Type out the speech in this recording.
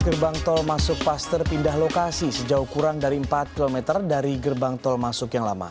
gerbang tol masuk paster pindah lokasi sejauh kurang dari empat km dari gerbang tol masuk yang lama